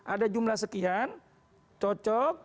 ada jumlah sekian cocok